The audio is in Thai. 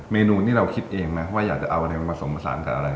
เมนูนี้เราคิดเองไหมว่าอยากจะเอาอะไรมาผสมผสานกับอะไร